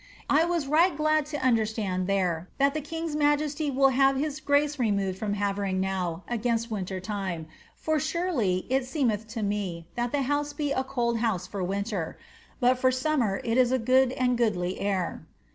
I was right glad to understand there, that the king^s majesty will iiave his grace removed from Havering now, against winter time; for surely it seemeth to me, that the house be a cold house for winter, but for summer it is a good and goodly air.